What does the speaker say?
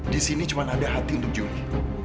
disini cuma ada hati untuk juli